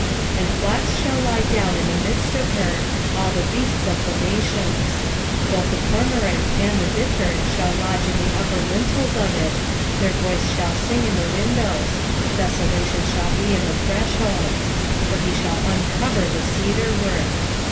2:14 And flocks shall lie down in the midst of her, all the beasts of the nations: both the cormorant and the bittern shall lodge in the upper lintels of it; their voice shall sing in the windows; desolation shall be in the thresholds; for he shall uncover the cedar work.